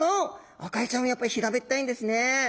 アカエイちゃんはやっぱり平べったいんですね。